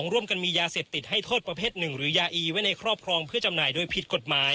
ร่วมกันมียาเสพติดให้โทษประเภทหนึ่งหรือยาอีไว้ในครอบครองเพื่อจำหน่ายโดยผิดกฎหมาย